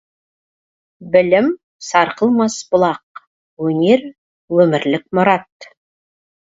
Білім — сарқылмас бұлақ, өнер — өмірлік мұрат.